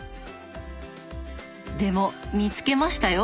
でも見つけましたよ。